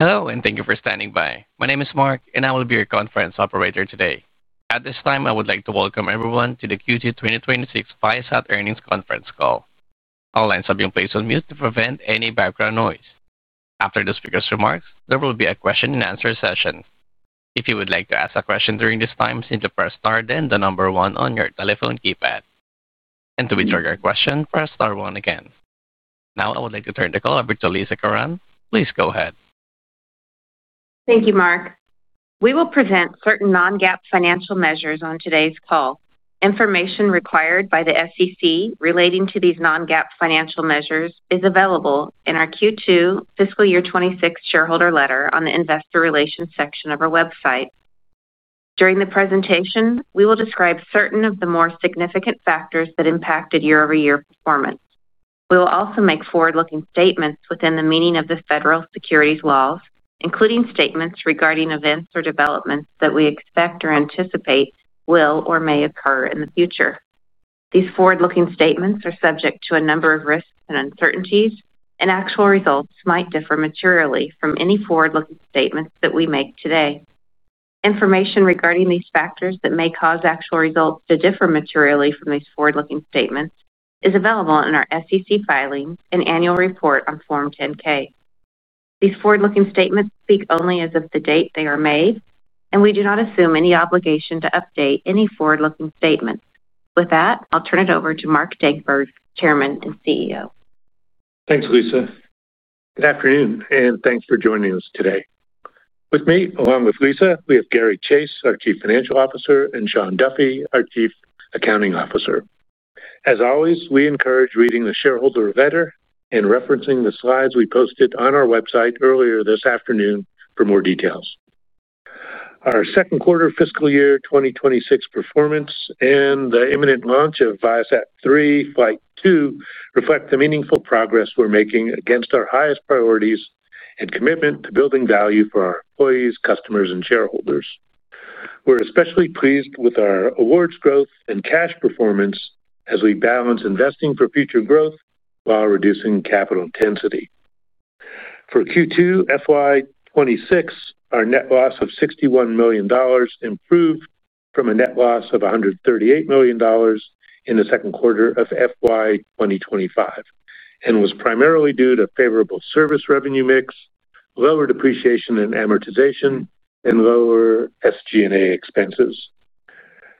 Hello, and thank you for standing by. My name is Mark, and I will be your conference operator today. At this time, I would like to welcome everyone to the Q2 2026 Viasat earnings conference call. I'll also have you placed on mute to prevent any background noise. After the speaker's remarks, there will be a question-and-answer session. If you would like to ask a question during this time, simply press star then the number one on your telephone keypad. To withdraw your question, press star one again. Now, I would like to turn the call over to Lisa Curran. Please go ahead. Thank you, Mark. We will present certain non-GAAP financial measures on today's call. Information required by the SEC relating to these non-GAAP financial measures is available in our Q2 fiscal year 2026 shareholder letter on the investor relations section of our website. During the presentation, we will describe certain of the more significant factors that impacted year-over-year performance. We will also make forward-looking statements within the meaning of the federal securities laws, including statements regarding events or developments that we expect or anticipate will or may occur in the future. These forward-looking statements are subject to a number of risks and uncertainties, and actual results might differ materially from any forward-looking statements that we make today. Information regarding these factors that may cause actual results to differ materially from these forward-looking statements is available in our SEC filings and annual report on Form 10-K. These forward-looking statements speak only as of the date they are made, and we do not assume any obligation to update any forward-looking statements. With that, I'll turn it over to Mark Dankberg, Chairman and CEO. Thanks, Lisa. Good afternoon, and thanks for joining us today. With me, along with Lisa, we have Gary Chase, our Chief Financial Officer, and Shawn Duffy, our Chief Accounting Officer. As always, we encourage reading the shareholder letter and referencing the slides we posted on our website earlier this afternoon for more details. Our second quarter fiscal year 2026 performance and the imminent launch of ViaSat-3 Flight 2, reflect the meaningful progress we're making against our highest priorities and commitment to building value for our employees, customers, and shareholders. We're especially pleased with our awards growth and cash performance as we balance investing for future growth while reducing capital intensity. For Q2 FY 2026, our net loss of $61 million improved from a net loss of $138 million in the second quarter of FY 2025 and was primarily due to favorable service revenue mix, lower depreciation and amortization, and lower SG&A expenses.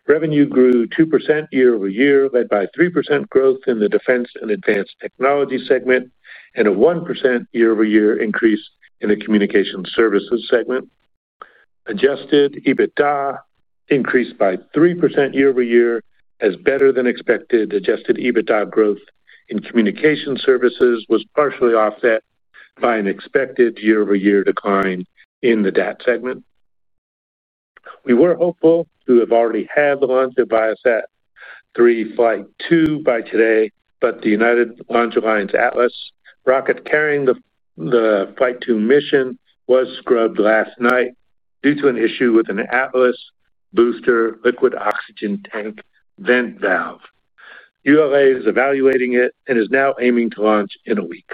Revenue grew 2% year-over-year, led by 3% growth in the Defense and Advanced Technology segment and a 1% year-over-year increase in the Communication Services segment. Adjusted EBITDA increased by 3% year-over-year as better than expected. Adjusted EBITDA growth in Communication Services was partially offset by an expected year-over-year decline in the DAT segment. We were hopeful to have already had the launch of Viasat-3 Flight 2 by today, but the United Launch Alliance Atlas rocket carrying the Flight 2 mission was scrubbed last night due to an issue with an Atlas booster liquid oxygen tank vent valve. ULA is evaluating it and is now aiming to launch in a week.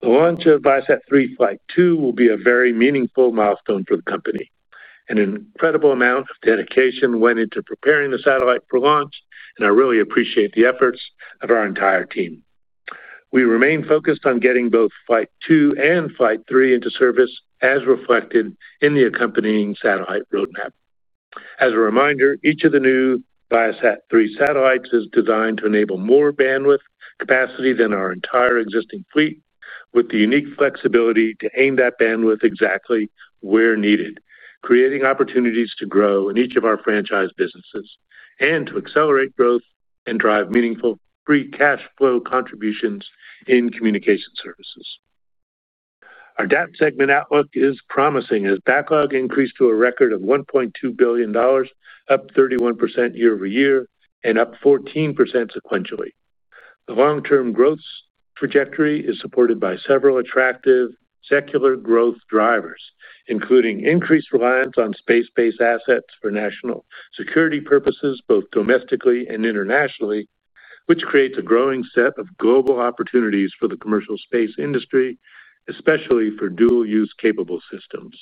The launch of ViaSat-3 Flight 2, will be a very meaningful milestone for the company. An incredible amount of dedication went into preparing the satellite for launch, and I really appreciate the efforts of our entire team. We remain focused on getting both Flight 2 and Flight 3 into service, as reflected in the accompanying satellite roadmap. As a reminder, each of the new ViaSat-3 satellites is designed to enable more bandwidth capacity than our entire existing fleet, with the unique flexibility to aim that bandwidth exactly where needed, creating opportunities to grow in each of our franchise businesses and to accelerate growth and drive meaningful free cash flow contributions in Communication Services. Our DAT segment outlook is promising as backlog increased to a record of $1.2 billion, up 31% year-over-year and up 14% sequentially. The long-term growth trajectory is supported by several attractive secular growth drivers, including increased reliance on space-based assets for national security purposes, both domestically and internationally, which creates a growing set of global opportunities for the commercial space industry, especially for dual-use capable systems.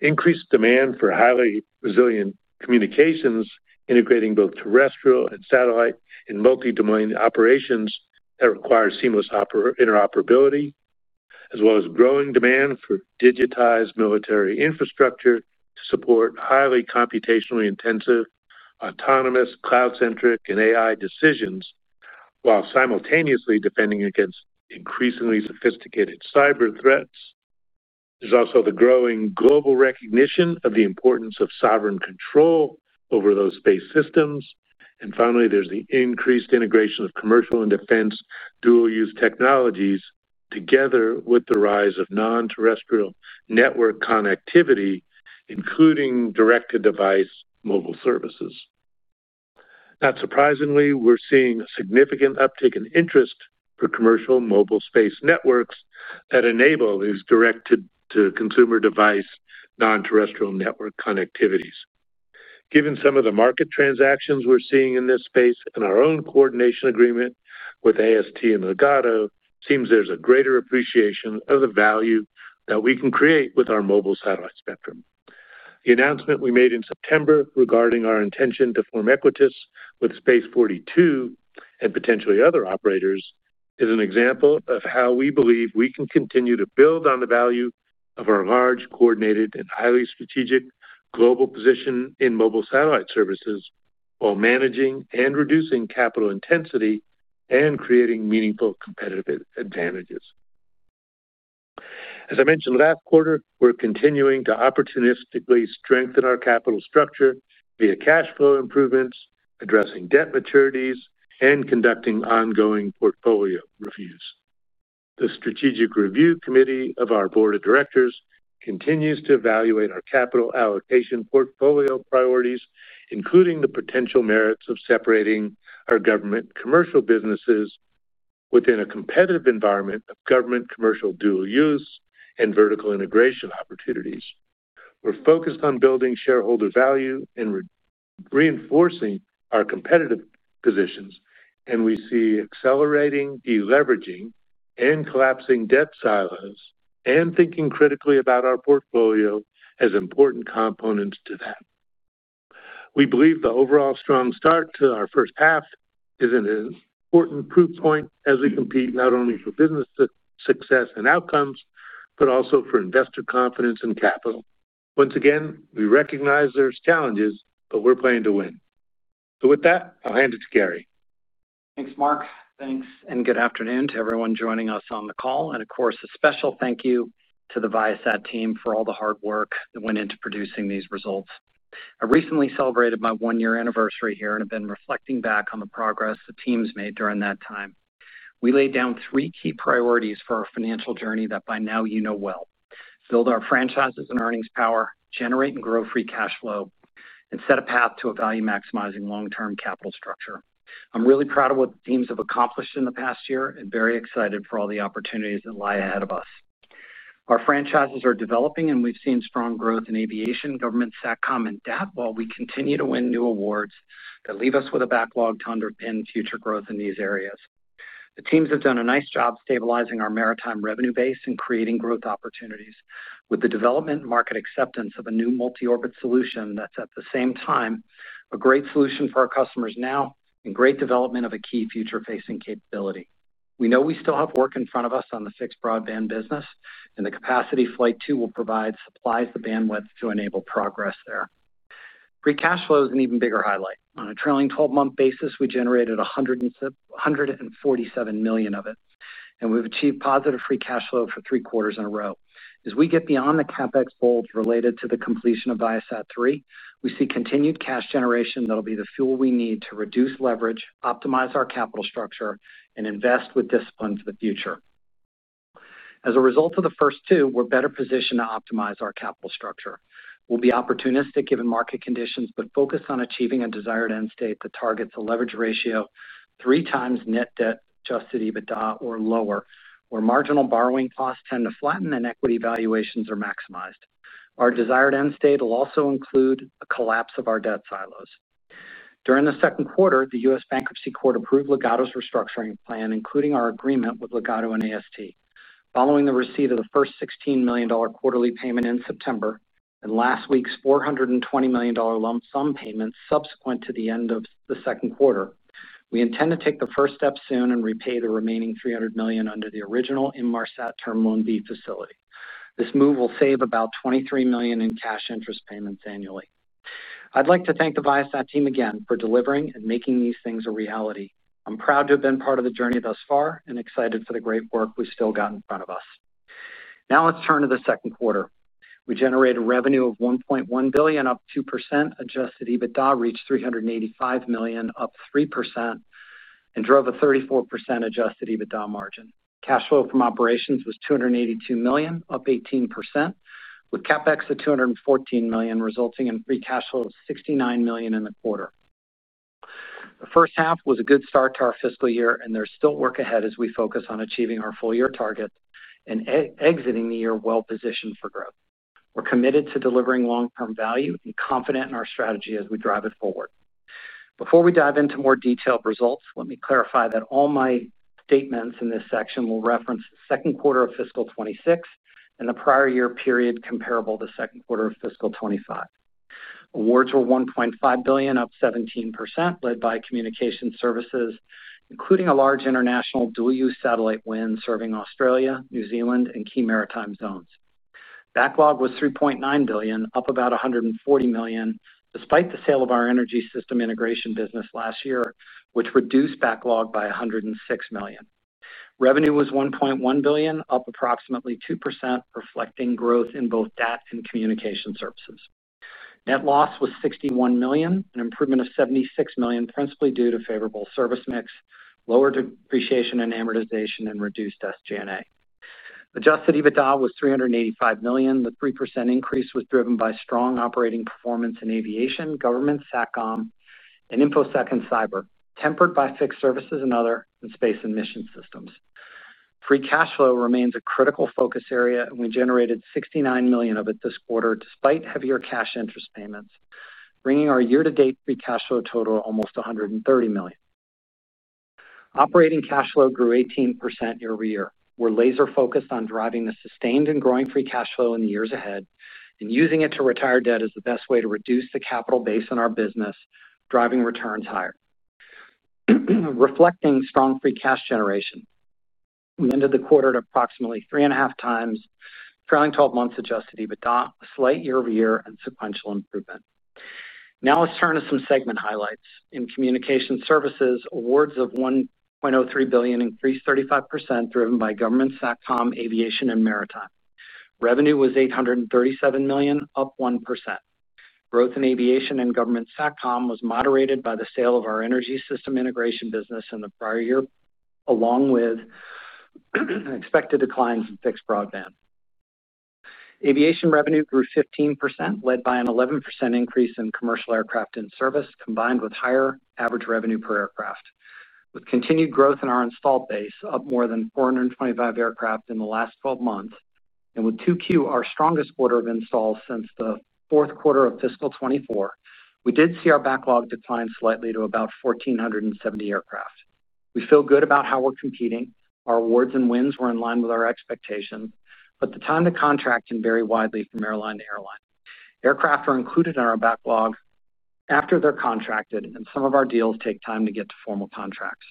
Increased demand for highly resilient communications, integrating both terrestrial and satellite in multi-domain operations that require seamless interoperability, as well as growing demand for digitized military infrastructure to support highly computationally intensive autonomous cloud-centric and AI decisions, while simultaneously defending against increasingly sophisticated cyber threats. There is also the growing global recognition of the importance of sovereign control over those space systems. Finally, there is the increased integration of commercial and defense dual-use technologies, together with the rise of non-terrestrial network connectivity, including direct-to-device mobile services. Not surprisingly, we're seeing a significant uptick in interest for commercial mobile space networks that enable these direct-to-consumer device non-terrestrial network connectivities. Given some of the market transactions we're seeing in this space and our own coordination agreement with AST and Ligado, it seems there's a greater appreciation of the value that we can create with our mobile satellite spectrum. The announcement we made in September regarding our intention to form Equatys with Space42 and potentially other operators is an example of how we believe we can continue to build on the value of our large, coordinated, and highly strategic global position in mobile satellite services while managing and reducing capital intensity and creating meaningful competitive advantages. As I mentioned last quarter, we're continuing to opportunistically strengthen our capital structure via cash flow improvements, addressing debt maturities, and conducting ongoing portfolio reviews. The Strategic Review Committee of our Board of Directors continues to evaluate our capital allocation portfolio priorities, including the potential merits of separating our government commercial businesses within a competitive environment of government commercial dual-use and vertical integration opportunities. We're focused on building shareholder value and reinforcing our competitive positions, and we see accelerating deleveraging and collapsing debt silos and thinking critically about our portfolio as important components to that. We believe the overall strong start to our first half is an important proof point as we compete not only for business success and outcomes, but also for investor confidence and capital. Once again, we recognize there's challenges, but we're playing to win. With that, I'll hand it to Gary. Thanks, Mark. Thanks, and good afternoon to everyone joining us on the call. Of course, a special thank you to the Viasat team for all the hard work that went into producing these results. I recently celebrated my one-year anniversary here and have been reflecting back on the progress the team's made during that time. We laid down three key priorities for our financial journey that by now you know well: build our franchises and earnings power, generate and grow free cash flow, and set a path to a value-maximizing long-term capital structure. I'm really proud of what the teams have accomplished in the past year and very excited for all the opportunities that lie ahead of us. Our franchises are developing, and we've seen strong growth in Aviation, Government Satcom, and DAT while we continue to win new awards that leave us with a backlog to underpin future growth in these areas. The teams have done a nice job stabilizing our Maritime revenue base and creating growth opportunities with the development and market acceptance of a new multi-orbit solution that's at the same time a great solution for our customers now and great development of a key future-facing capability. We know we still have work in front of us on the Fixed Broadband business, and the capacity Flight 2 will provide supplies the bandwidth to enable progress there. Free cash flow is an even bigger highlight. On a trailing 12-month basis, we generated $147 million of it, and we've achieved positive free cash flow for three quarters in a row. As we get beyond the CapEx holds related to the completion of ViaSat-3, we see continued cash generation that'll be the fuel we need to reduce leverage, optimize our capital structure, and invest with discipline for the future. As a result of the first two, we're better positioned to optimize our capital structure. We'll be opportunistic given market conditions, but focus on achieving a desired end state that targets a leverage ratio 3x net debt adjusted EBITDA or lower, where marginal borrowing costs tend to flatten and equity valuations are maximized. Our desired end state will also include a collapse of our debt silos. During the second quarter, the U.S. Bankruptcy Court approved Legato's restructuring plan, including our agreement with Ligado and AST. Following the receipt of the first $16 million quarterly payment in September and last week's $420 million lump sum payment subsequent to the end of the second quarter, we intend to take the first step soon and repay the remaining $300 million under the original Inmarsat Terminal B facility. This move will save about $23 million in cash interest payments annually. I'd like to thank the Viasat team again for delivering and making these things a reality. I'm proud to have been part of the journey thus far and excited for the great work we've still got in front of us. Now let's turn to the second quarter. We generated revenue of $1.1 billion, up 2%. Adjusted EBITDA reached $385 million, up 3%, and drove a 34% adjusted EBITDA margin. Cash flow from operations was $282 million, up 18%, with CapEx of $214 million resulting in free cash flow of $69 million in the quarter. The first half was a good start to our fiscal year, and there's still work ahead as we focus on achieving our full-year target and exiting the year well-positioned for growth. We're committed to delivering long-term value and confident in our strategy as we drive it forward. Before we dive into more detailed results, let me clarify that all my statements in this section will reference the second quarter of fiscal 2026 and the prior year period comparable to second quarter of fiscal 2025. Awards were $1.5 billion, up 17%, led by Communication Services, including a large international dual-use satellite win serving Australia, New Zealand, and key maritime zones. Backlog was $3.9 billion, up about $140 million, despite the sale of our energy system integration business last year, which reduced backlog by $106 million. Revenue was $1.1 billion, up approximately 2%, reflecting growth in both DAT and Communication Services. Net loss was $61 million, an improvement of $76 million, principally due to favorable service mix, lower depreciation and amortization, and reduced SG&A. Adjusted EBITDA was $385 million. The 3% increase was driven by strong operating performance in Aviation, Government Satcom, and InfoSec and Cyber, tempered by Fixed Services and Other, Space and Mission Systems. Free cash flow remains a critical focus area, and we generated $69 million of it this quarter despite heavier cash interest payments, bringing our year-to-date free cash flow total to almost $130 million. Operating cash flow grew 18% year-over-year. We're laser-focused on driving the sustained and growing free cash flow in the years ahead and using it to retire debt as the best way to reduce the capital base in our business, driving returns higher. Reflecting strong free cash generation, we ended the quarter at approximately 3.5x trailing 12-month adjusted EBITDA, a slight year-over-year and sequential improvement. Now let's turn to some segment highlights. In Communication Services, awards of $1.03 billion increased 35%, driven by Government Satcom, Aviation, and Maritime. Revenue was $837 million, up 1%. Growth in Aviation and Government Satcom was moderated by the sale of our energy system integration business in the prior year, along with expected declines in fixed broadband. Aviation revenue grew 15%, led by an 11% increase in commercial aircraft in service, combined with higher average revenue per aircraft. With continued growth in our installed base, up more than 425 aircraft in the last 12 months, and with Q4, our strongest quarter of installs since the fourth quarter of fiscal 2024, we did see our backlog decline slightly to about 1,470 aircraft. We feel good about how we're competing. Our awards and wins were in line with our expectations, but the time to contract can vary widely from airline to airline. Aircraft are included in our backlog after they're contracted, and some of our deals take time to get to formal contracts.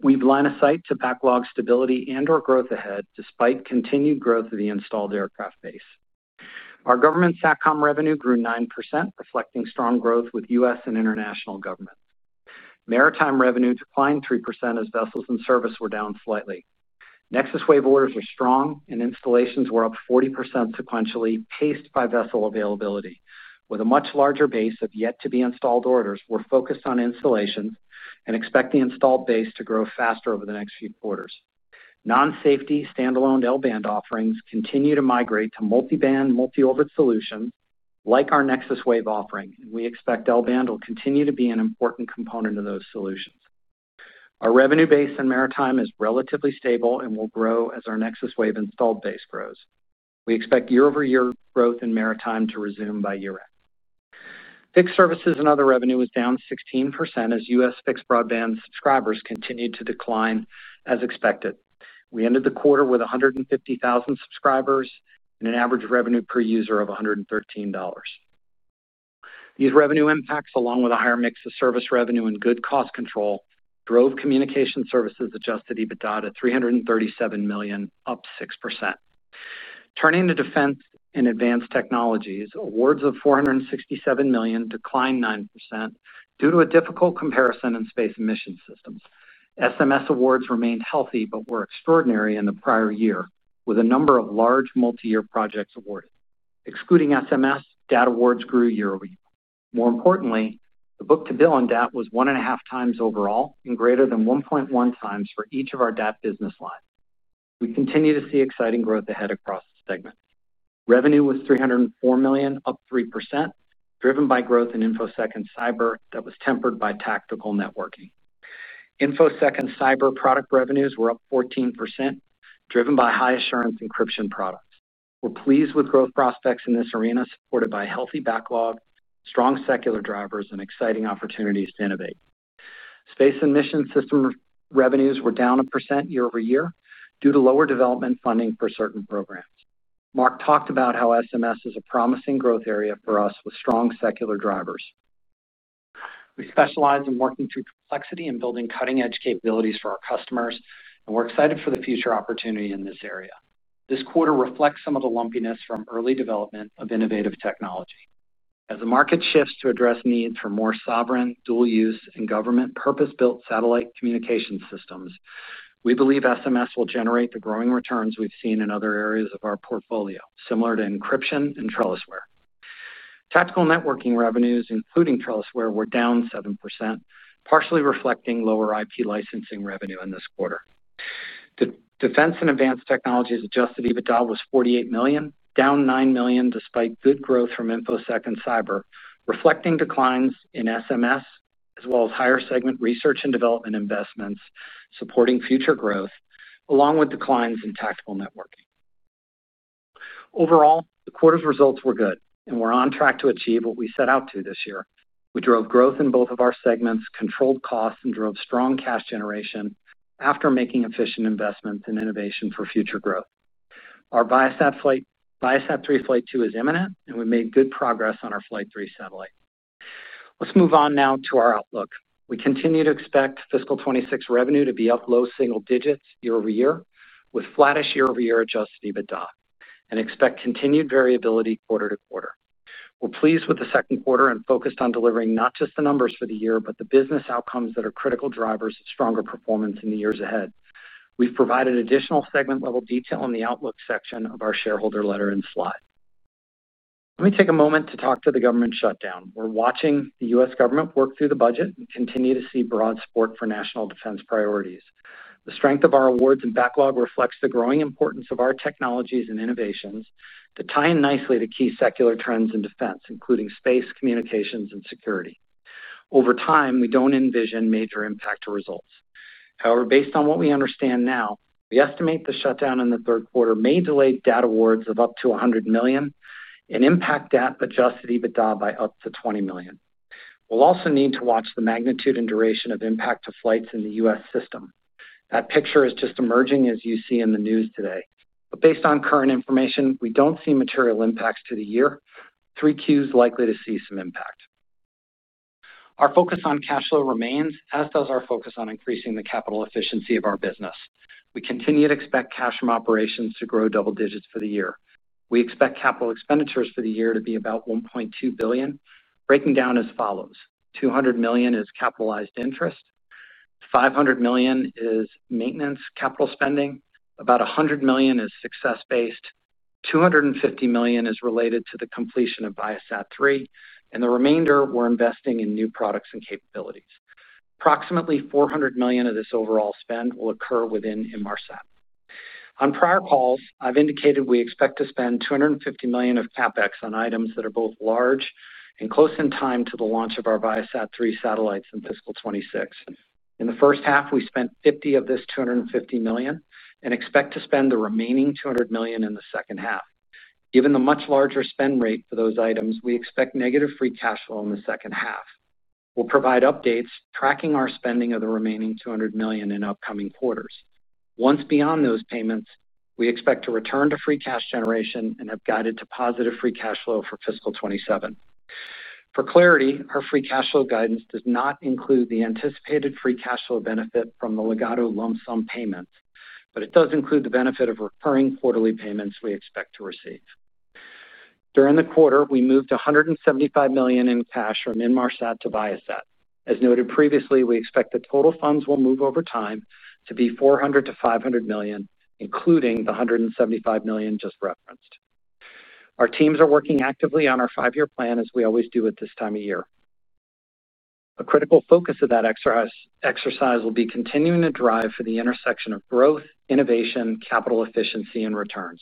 We've lined a sight to backlog stability and/or growth ahead, despite continued growth of the installed aircraft base. Our Government Satcom revenue grew 9%, reflecting strong growth with U.S. and international governments. Maritime revenue declined 3% as vessels and service were down slightly. NexusWave orders are strong, and installations were up 40% sequentially, paced by vessel availability. With a much larger base of yet-to-be-installed orders, we're focused on installations and expect the installed base to grow faster over the next few quarters. Non-safety standalone L-band offerings continue to migrate to multi-band, multi-orbit solutions like our NexusWave offering, and we expect L-band will continue to be an important component of those solutions. Our revenue base in maritime is relatively stable and will grow as our NexusWave installed base grows. We expect year-over-year growth in maritime to resume by year-end. Fixed Services and Other revenue was down 16% as U.S. fixed broadband subscribers continued to decline as expected. We ended the quarter with 150,000 subscribers and an average revenue per user of $113. These revenue impacts, along with a higher mix of service revenue and good cost control, drove Communication Services adjusted EBITDA to $337 million, up 6%. Turning to Defense and Advanced Technologies, awards of $467 million declined 9% due to a difficult comparison in Space and Mission Systems. SMS awards remained healthy but were extraordinary in the prior year, with a number of large multi-year projects awarded. Excluding SMS, DAT awards grew year-over-year. More importantly, the book-to-bill on DAT was 1.5x overall and greater than 1.1x for each of our DAT business lines. We continue to see exciting growth ahead across the segment. Revenue was $304 million, up 3%, driven by growth in InfoSec and Cyber that was tempered by Tactical Networking. InfoSec and Cyber product revenues were up 14%, driven by high-assurance encryption products. We're pleased with growth prospects in this arena supported by a healthy backlog, strong secular drivers, and exciting opportunities to innovate. Space and Mission System revenues were down 1% year-over-year due to lower development funding for certain programs. Mark talked about how SMS is a promising growth area for us with strong secular drivers. We specialize in working through complexity and building cutting-edge capabilities for our customers, and we're excited for the future opportunity in this area. This quarter reflects some of the lumpiness from early development of innovative technology. As the market shifts to address needs for more sovereign, dual-use, and government purpose-built satellite communication systems, we believe SMS will generate the growing returns we've seen in other areas of our portfolio, similar to encryption and TrellisWare. Tactical Networking revenues, including TrellisWare, were down 7%, partially reflecting lower IP licensing revenue in this quarter. Defense and Advanced Technologies adjusted EBITDA was $48 million, down $9 million despite good growth from InfoSec and Cyber, reflecting declines in SMS as well as higher segment research and development investments supporting future growth, along with declines in Tactical Networking. Overall, the quarter's results were good, and we're on track to achieve what we set out to this year. We drove growth in both of our segments, controlled costs, and drove strong cash generation after making efficient investments in innovation for future growth. Our ViaSat-3 Flight 2 is imminent, and we made good progress on our Flight 3 satellite. Let's move on now to our outlook. We continue to expect fiscal 2026 revenue to be up low single digits year-over-year with flattish year-over-year adjusted EBITDA and expect continued variability quarter-to-quarter. We're pleased with the second quarter and focused on delivering not just the numbers for the year but the business outcomes that are critical drivers of stronger performance in the years ahead. We've provided additional segment-level detail in the outlook section of our shareholder letter and slide. Let me take a moment to talk to the government shutdown. We're watching the U.S. government work through the budget and continue to see broad support for national defense priorities. The strength of our awards and backlog reflects the growing importance of our technologies and innovations to tie in nicely to key secular trends in defense, including space, communications, and security. Over time, we don't envision major impact or results. However, based on what we understand now, we estimate the shutdown in the third quarter may delay DAT awards of up to $100 million and impact DAT adjusted EBITDA by up to $20 million. We will also need to watch the magnitude and duration of impact to flights in the U.S. system. That picture is just emerging as you see in the news today. Based on current information, we do not see material impacts to the year. 3Q is likely to see some impact. Our focus on cash flow remains, as does our focus on increasing the capital efficiency of our business. We continue to expect cash from operations to grow double digits for the year. We expect capital expenditures for the year to be about $1.2 billion, breaking down as follows: $200 million is capitalized interest, $500 million is maintenance capital spending, about $100 million is success-based, $250 million is related to the completion of ViaSat-3, and the remainder we're investing in new products and capabilities. Approximately $400 million of this overall spend will occur within Inmarsat. On prior calls, I've indicated we expect to spend $250 million of CapEx on items that are both large and close in time to the launch of our ViaSat-3 satellites in fiscal 2026. In the first half, we spent $50 million of this $250 million and expect to spend the remaining $200 million in the second half. Given the much larger spend rate for those items, we expect negative free cash flow in the second half. We'll provide updates tracking our spending of the remaining $200 million in upcoming quarters. Once beyond those payments, we expect to return to free cash generation and have guided to positive free cash flow for fiscal 2027. For clarity, our free cash flow guidance does not include the anticipated free cash flow benefit from the Ligado lump sum payments, but it does include the benefit of recurring quarterly payments we expect to receive. During the quarter, we moved $175 million in cash from Inmarsat to Viasat. As noted previously, we expect the total funds will move over time to be $400 million-$500 million, including the $175 million just referenced. Our teams are working actively on our five-year plan, as we always do at this time of year. A critical focus of that exercise will be continuing to drive for the intersection of growth, innovation, capital efficiency, and returns.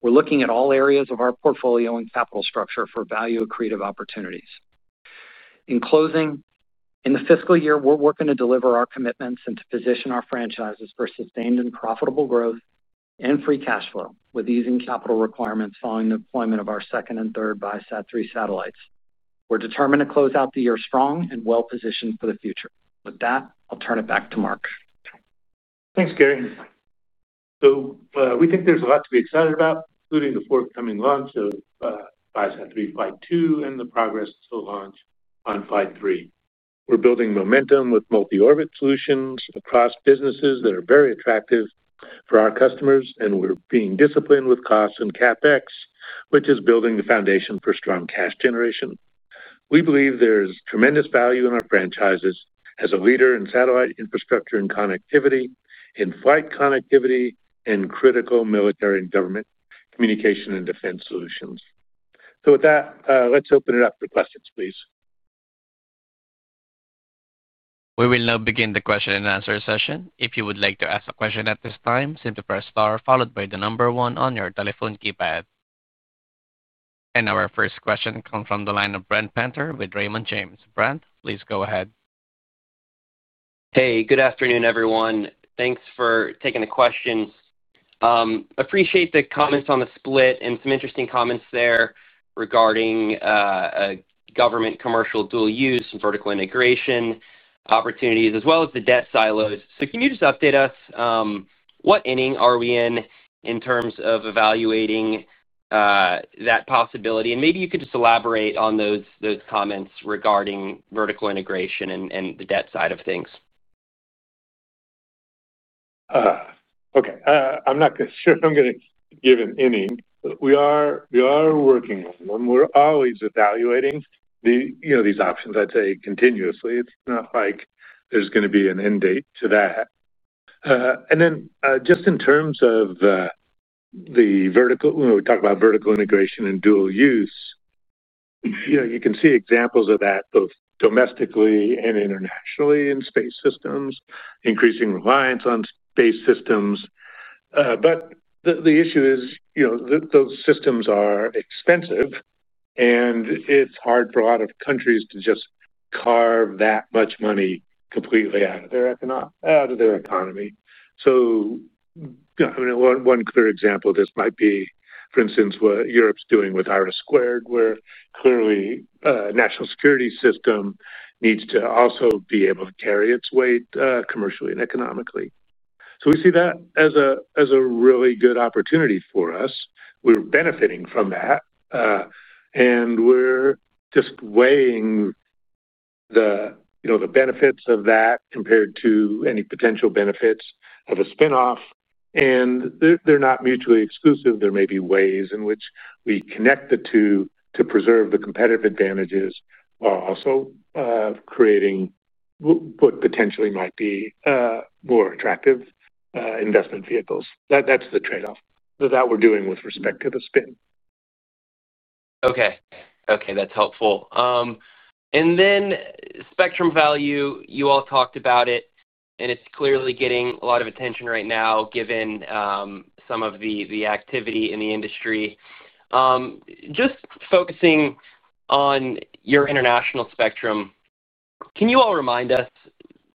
We're looking at all areas of our portfolio and capital structure for value-accretive opportunities. In closing, in the fiscal year, we're working to deliver our commitments and to position our franchises for sustained and profitable growth and free cash flow with easing capital requirements following the deployment of our second and third ViaSat-3 satellites. We're determined to close out the year strong and well-positioned for the future. With that, I'll turn it back to Mark. Thanks, Gary. We think there's a lot to be excited about, including the forthcoming launch of ViaSat-3 Flight 2 and the progress to launch on Flight 3. We're building momentum with multi-orbit solutions across businesses that are very attractive for our customers, and we're being disciplined with costs and CapEx, which is building the foundation for strong cash generation. We believe there's tremendous value in our franchises as a leader in satellite infrastructure and connectivity, in-flight connectivity, and critical military and government communication and defense solutions. With that, let's open it up for questions, please. We will now begin the question and answer session. If you would like to ask a question at this time, simply press star followed by the number one on your telephone keypad. Our first question comes from the line of Brent Penter with Raymond James. Brent, please go ahead. Hey, good afternoon, everyone. Thanks for taking the questions. Appreciate the comments on the split and some interesting comments there regarding government commercial dual-use and vertical integration opportunities, as well as the debt silos. Can you just update us? What inning are we in in terms of evaluating that possibility? Maybe you could just elaborate on those comments regarding vertical integration and the debt side of things. Okay. I'm not sure if I'm going to give an inning. We are working on them. We're always evaluating these options, I'd say, continuously. It's not like there's going to be an end date to that. In terms of the vertical, when we talk about vertical integration and dual-use, you can see examples of that both domestically and internationally in space systems, increasing reliance on space systems. The issue is those systems are expensive, and it's hard for a lot of countries to just carve that much money completely out of their economy. One clear example of this might be, for instance, what Europe's doing with IRIS2, where clearly a national security system needs to also be able to carry its weight commercially and economically. We see that as a really good opportunity for us. We're benefiting from that, and we're just weighing the benefits of that compared to any potential benefits of a spinoff. They're not mutually exclusive. There may be ways in which we connect the two to preserve the competitive advantages while also creating what potentially might be more attractive investment vehicles. That's the trade-off that we're doing with respect to the spin. Okay. Okay. That's helpful. Then spectrum value, you all talked about it, and it's clearly getting a lot of attention right now given some of the activity in the industry. Just focusing on your international spectrum, can you all remind us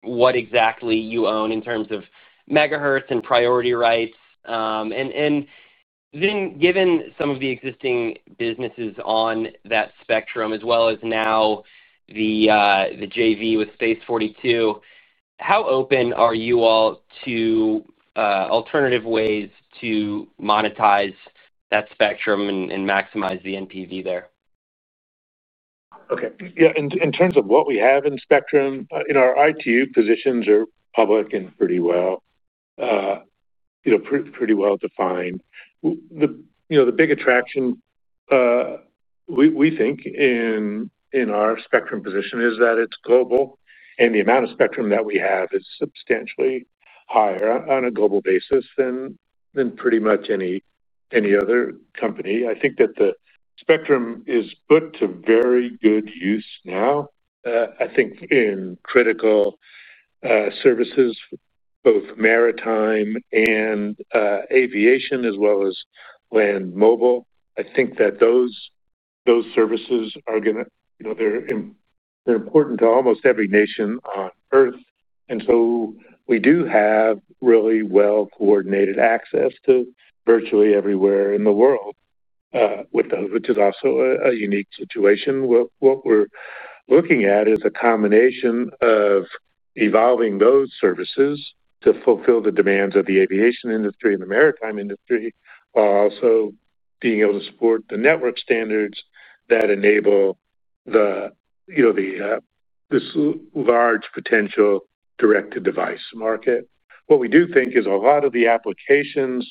what exactly you own in terms of megahertz and priority rights? Then given some of the existing businesses on that spectrum, as well as now the JV with Space42, how open are you all to alternative ways to monetize that spectrum and maximize the NPV there? Okay. Yeah. In terms of what we have in spectrum, our ITU positions are public and pretty well defined. The big attraction, we think, in our spectrum position is that it's global, and the amount of spectrum that we have is substantially higher on a global basis than pretty much any other company. I think that the spectrum is put to very good use now, I think, in critical services, both maritime and aviation, as well as land mobile. I think that those services are going to—they're important to almost every nation on Earth. We do have really well-coordinated access to virtually everywhere in the world, which is also a unique situation. What we're looking at is a combination of evolving those services to fulfill the demands of the aviation industry and the maritime industry while also being able to support the network standards that enable the large potential directed device market. What we do think is a lot of the applications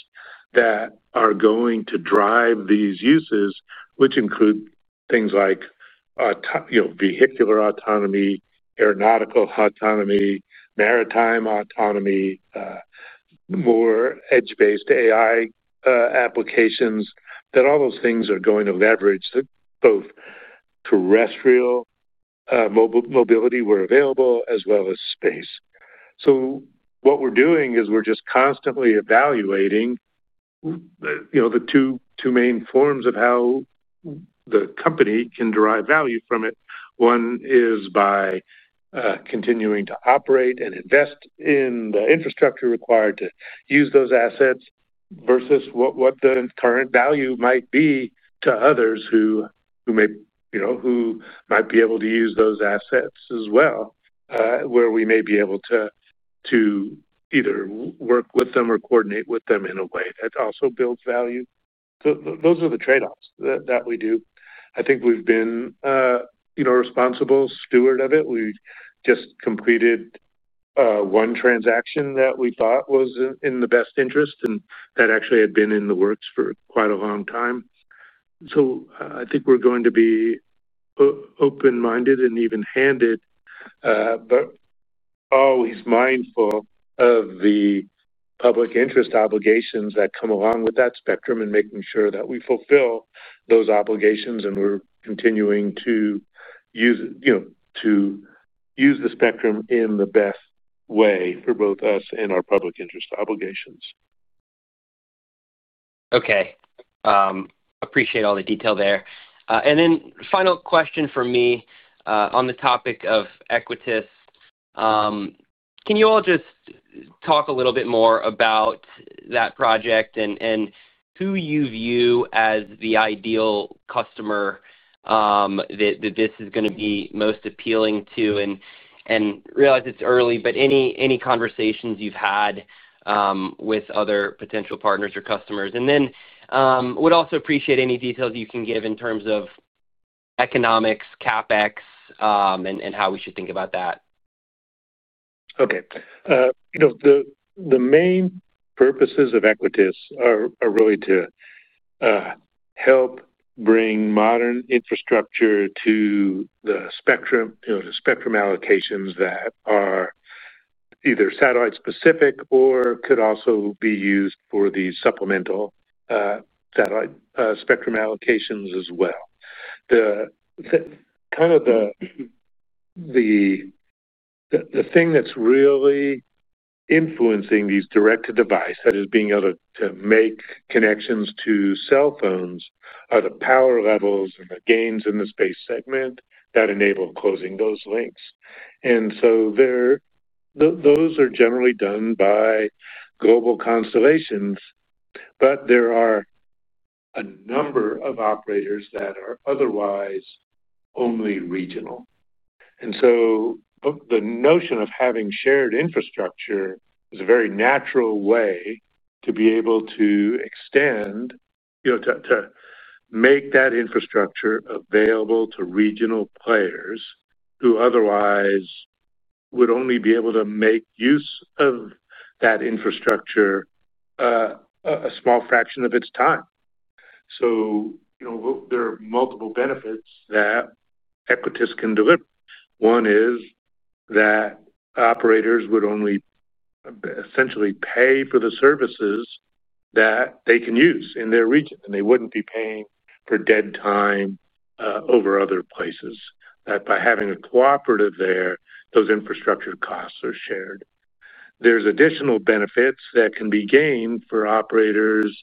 that are going to drive these uses, which include things like vehicular autonomy, aeronautical autonomy, maritime autonomy, more edge-based AI applications, that all those things are going to leverage both terrestrial mobility where available as well as space. What we're doing is we're just constantly evaluating the two main forms of how the company can derive value from it. One is by continuing to operate and invest in the infrastructure required to use those assets versus what the current value might be to others who might be able to use those assets as well, where we may be able to either work with them or coordinate with them in a way that also builds value. Those are the trade-offs that we do. I think we've been responsible steward of it. We just completed one transaction that we thought was in the best interest. That actually had been in the works for quite a long time. I think we're going to be open-minded and even-handed, but always mindful of the public interest obligations that come along with that spectrum and making sure that we fulfill those obligations and we're continuing to use the spectrum in the best way for both us and our public interest obligations. Okay. Appreciate all the detail there. Final question for me on the topic of Equatys. Can you all just talk a little bit more about that project and who you view as the ideal customer that this is going to be most appealing to? I realize it's early, but any conversations you've had with other potential partners or customers? I would also appreciate any details you can give in terms of economics, CapEx, and how we should think about that. Okay. The main purposes of Equatys are really to help bring modern infrastructure to the spectrum, to spectrum allocations that are either satellite-specific or could also be used for the supplemental satellite spectrum allocations as well. Kind of the thing that's really influencing these directed devices is being able to make connections to cell phones are the power levels and the gains in the space segment that enable closing those links. Those are generally done by global constellations, but there are a number of operators that are otherwise only regional. The notion of having shared infrastructure is a very natural way to be able to extend, to make that infrastructure available to regional players who otherwise would only be able to make use of that infrastructure a small fraction of its time. There are multiple benefits that Equatys can deliver. One is that operators would only essentially pay for the services that they can use in their region, and they wouldn't be paying for dead time over other places. That by having a cooperative there, those infrastructure costs are shared. There are additional benefits that can be gained for operators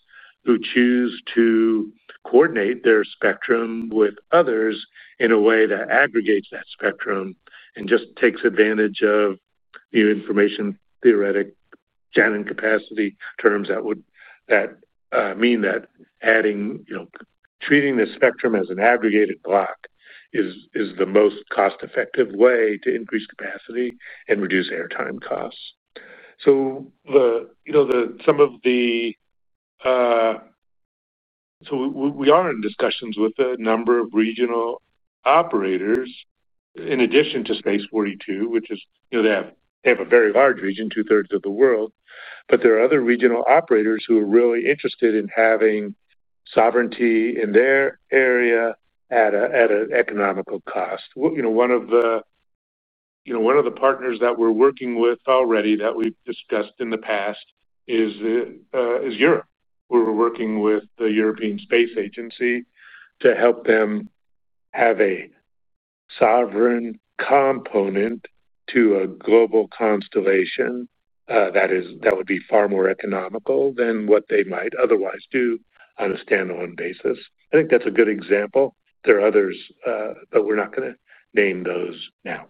who choose to coordinate their spectrum with others in a way that aggregates that spectrum and just takes advantage of information theoretic jamming capacity terms that would mean that adding, treating the spectrum as an aggregated block is the most cost-effective way to increase capacity and reduce airtime costs. Some of the—we are in discussions with a number of regional operators, in addition to Space42, which is they have a very large region, two-thirds of the world, but there are other regional operators who are really interested in having sovereignty in their area at an economical cost. One of the partners that we're working with already that we've discussed in the past is Europe. We're working with the European Space Agency to help them have a sovereign component to a global constellation that would be far more economical than what they might otherwise do on a standalone basis. I think that's a good example. There are others, but we're not going to name those now.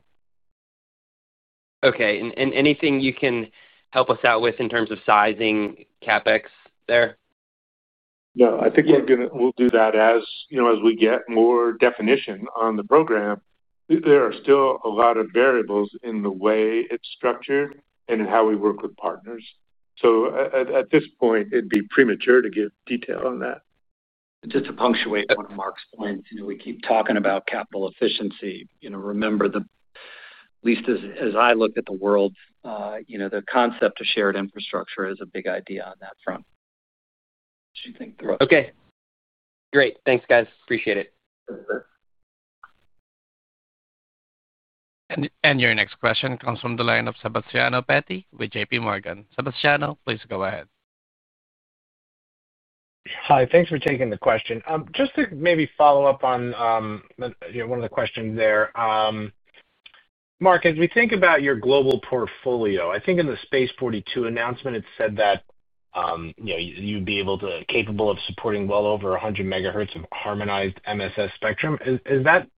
Okay. Anything you can help us out with in terms of sizing, CapEx there? No. I think we'll do that as we get more definition on the program. There are still a lot of variables in the way it's structured and in how we work with partners. At this point, it'd be premature to give detail on that. Just to punctuate one of Mark's points, we keep talking about capital efficiency. Remember, at least as I look at the world, the concept of shared infrastructure is a big idea on that front. Okay. Great. Thanks, guys. Appreciate it. Your next question comes from the line of Sebastiano Petti with JPMorgan. Sebastiano, please go ahead. Hi. Thanks for taking the question. Just to maybe follow up on one of the questions there. Mark, as we think about your global portfolio, I think in the Space42 announcement, it said that you'd be capable of supporting well over 100 MHz of harmonized MSS spectrum. Is that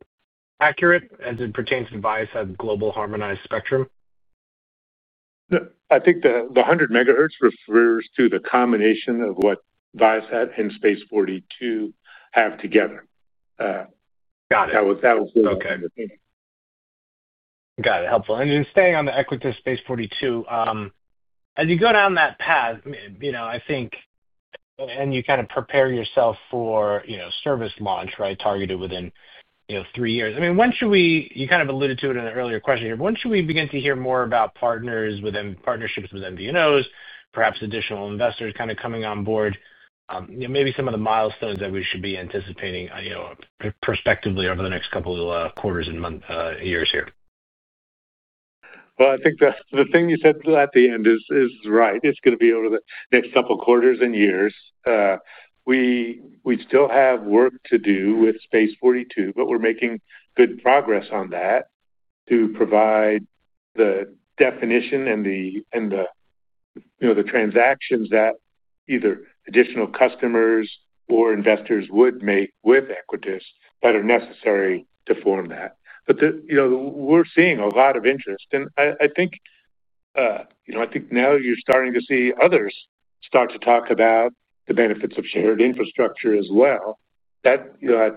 accurate as it pertains to Viasat global harmonized spectrum? I think the 100 MHz refers to the combination of what Viasat and Space42 have together. That was the understanding. Got it. Got it. Helpful. Staying on the Equatys Space42, as you go down that path, I think, and you kind of prepare yourself for service launch, right, targeted within three years. I mean, when should we—you kind of alluded to it in an earlier question here—when should we begin to hear more about partnerships with MVNOs, perhaps additional investors kind of coming on board? Maybe some of the milestones that we should be anticipating prospectively over the next couple of quarters and years here? I think the thing you said at the end is right. It's going to be over the next couple of quarters and years. We still have work to do with Space42, but we're making good progress on that to provide the definition and the transactions that either additional customers or investors would make with Equatys that are necessary to form that. We're seeing a lot of interest. I think now you're starting to see others start to talk about the benefits of shared infrastructure as well. I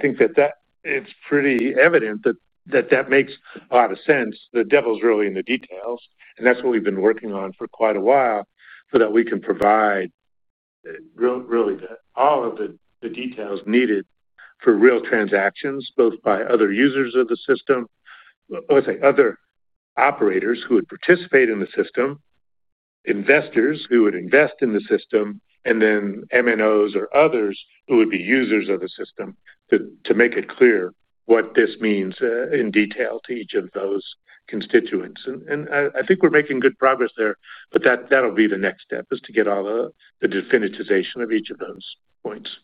think that it's pretty evident that that makes a lot of sense. The devil's really in the details. That is what we have been working on for quite a while so that we can provide really all of the details needed for real transactions, both by other users of the system—I would say other operators who would participate in the system, investors who would invest in the system, and then MNOs or others who would be users of the system—to make it clear what this means in detail to each of those constituents. I think we are making good progress there, but the next step is to get all the definitization of each of those points.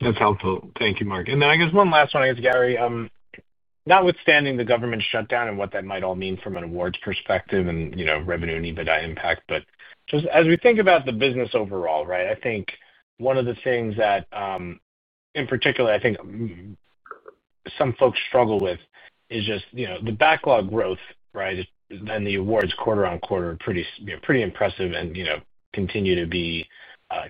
That's helpful. Thank you, Mark. I guess one last one, Gary, notwithstanding the government shutdown and what that might all mean from an awards perspective and revenue and EBITDA impact, just as we think about the business overall, right, I think one of the things that in particular, I think some folks struggle with is just the backlog growth, right, and the awards quarter on quarter are pretty impressive and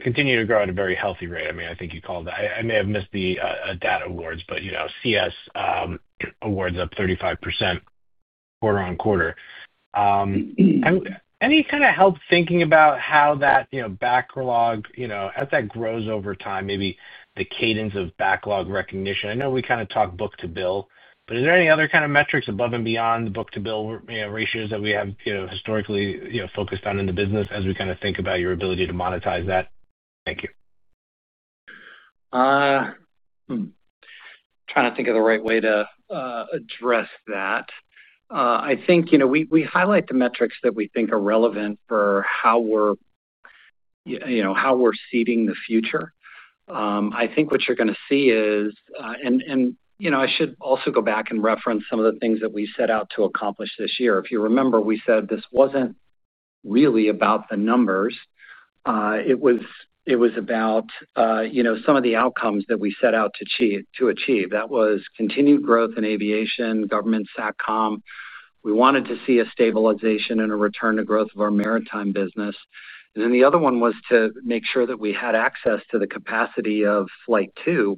continue to grow at a very healthy rate. I mean, I think you called that. I may have missed the DAT Awards, but CS awards up 35% quarter on quarter. Any kind of help thinking about how that backlog, as that grows over time, maybe the cadence of backlog recognition? I know we kind of talk book-to-bill, but is there any other kind of metrics above and beyond book-to-bill ratios that we have historically focused on in the business as we kind of think about your ability to monetize that? Thank you. I'm trying to think of the right way to address that. I think we highlight the metrics that we think are relevant for how we're seeding the future. I think what you're going to see is, and I should also go back and reference some of the things that we set out to accomplish this year. If you remember, we said this wasn't really about the numbers. It was about some of the outcomes that we set out to achieve. That was continued growth in Aviation, Government Satcom. We wanted to see a stabilization and a return to growth of our maritime business. The other one was to make sure that we had access to the capacity of Flight 2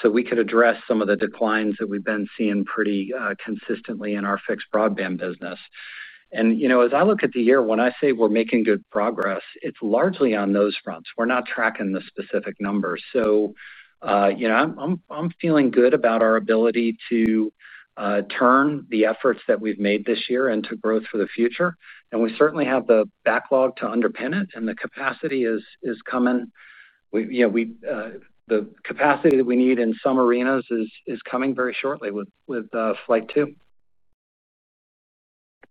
so we could address some of the declines that we've been seeing pretty consistently in our Fixed Broadband business. As I look at the year, when I say we're making good progress, it's largely on those fronts. We're not tracking the specific numbers. I'm feeling good about our ability to turn the efforts that we've made this year into growth for the future. We certainly have the backlog to underpin it, and the capacity is coming. The capacity that we need in some arenas is coming very shortly with Flight 2.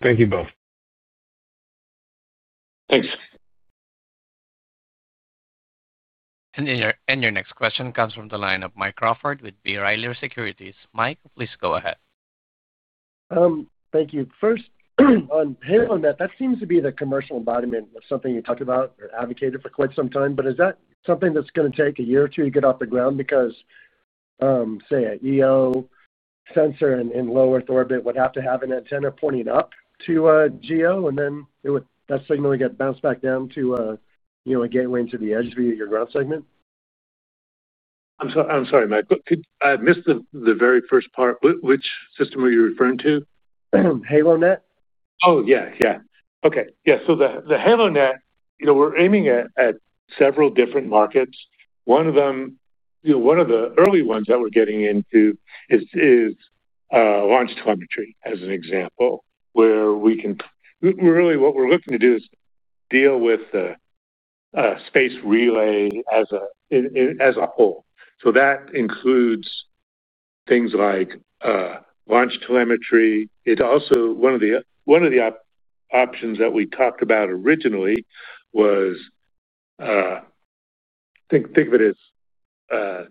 Thank you both. Thanks. Your next question comes from the line of Mike Crawford with B. Riley Securities. Mike, please go ahead. Thank you. First, on that, that seems to be the commercial embodiment of something you talked about or advocated for quite some time. Is that something that's going to take a year or two to get off the ground? Because, say, an EO sensor in low Earth orbit would have to have an antenna pointing up to a GEO, and then that signal would get bounced back down to a gateway into the edge via your ground segment? I'm sorry, Mike. I missed the very first part. Which system are you referring to? HaloNet? Oh, yeah. Yeah. Okay. Yeah. So the HaloNet, we're aiming at several different markets. One of them, one of the early ones that we're getting into is launch telemetry as an example, where we can—really, what we're looking to do is deal with space relay as a whole. That includes things like launch telemetry. One of the options that we talked about originally was—think of it as,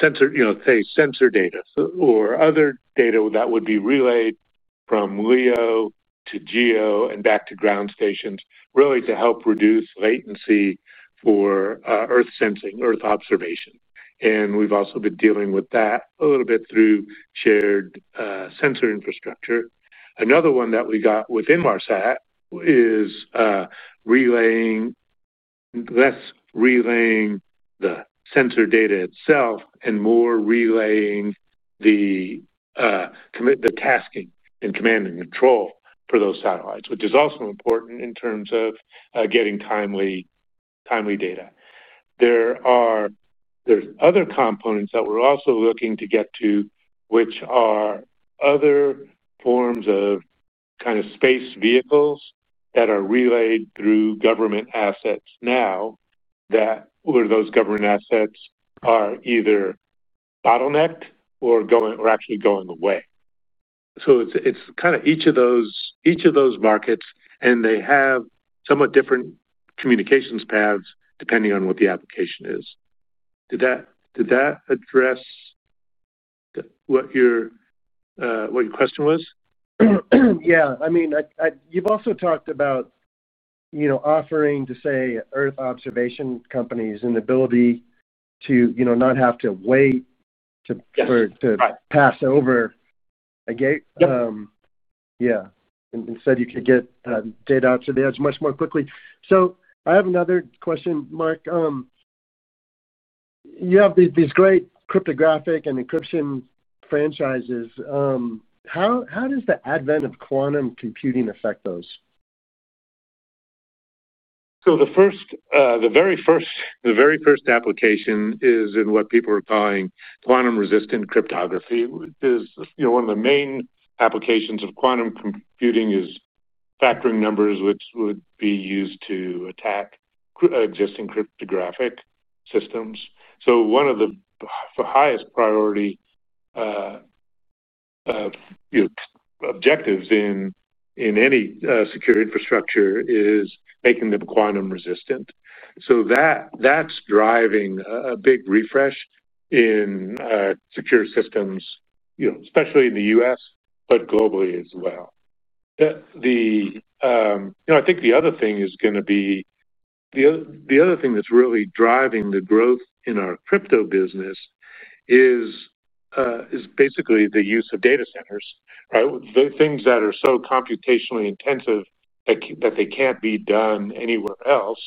say, sensor data or other data that would be relayed from LEO to GEO and back to ground stations, really to help reduce latency for Earth sensing, Earth observation. We've also been dealing with that a little bit through shared sensor infrastructure. Another one that we got with Inmarsat is relaying less relaying the sensor data itself and more relaying the tasking and command and control for those satellites, which is also important in terms of getting timely data. There are other components that we're also looking to get to, which are other forms of kind of space vehicles that are relayed through government assets now, where those government assets are either bottlenecked or actually going away. It is kind of each of those markets, and they have somewhat different communications paths depending on what the application is. Did that address what your question was? Yeah. I mean, you've also talked about offering to, say, Earth observation companies an ability to not have to wait to pass over a gate. Yeah. Instead, you could get data out to the edge much more quickly. I have another question, Mark. You have these great cryptographic and encryption franchises. How does the advent of quantum computing affect those? The very first application is in what people are calling quantum-resistant cryptography. One of the main applications of quantum computing is factoring numbers, which would be used to attack existing cryptographic systems. One of the highest priority objectives in any secure infrastructure is making them quantum-resistant. That is driving a big refresh in secure systems, especially in the U.S., but globally as well. I think the other thing that is really driving the growth in our crypto business is basically the use of data centers, right? The things that are so computationally intensive that they cannot be done anywhere else.